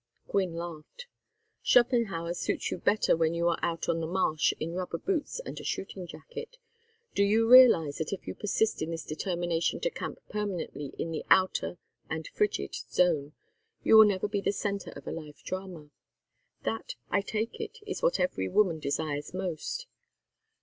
Gwynne laughed. "Schopenhauer suits you better when you are out on the marsh in rubber boots and a shooting jacket. Do you realize that if you persist in this determination to camp permanently in the outer and frigid zone, you will never be the centre of a life drama? That, I take it, is what every woman desires most.